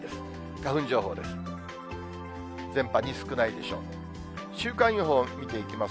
花粉情報です。